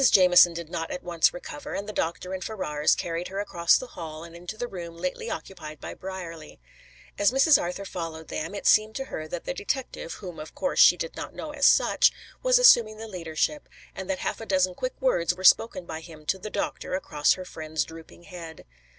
Jamieson did not at once recover, and the doctor and Ferrars carried her across the hall and into the room lately occupied by Brierly. As Mrs. Arthur followed them, it seemed to her that the detective, whom of course she did not know as such, was assuming the leadership, and that half a dozen quick words were spoken by him to the doctor, across her friend's drooping head.